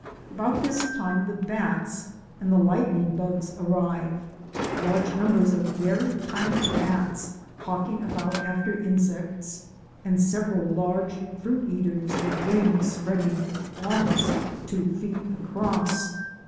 About this time the bats and the lightning bugs arrive, large numbers of very tiny bats hawking about after insects, and several large fruit eaters with wings spreading almost two feet across.